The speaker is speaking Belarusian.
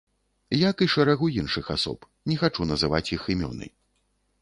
Як і шэрагу іншых асоб, не хачу называць іх імёны.